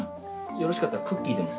よろしかったらクッキーでも。